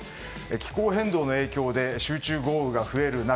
気候変動の影響で集中豪雨が増える中